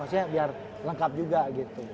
maksudnya biar lengkap juga gitu